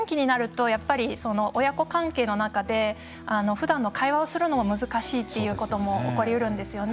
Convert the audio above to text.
思春期になると親子関係の中でふだんの会話をするのも難しいというのが起こりうるんですよね。